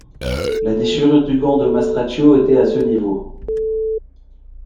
La déchirure du gant de Mastracchio était à ce niveau.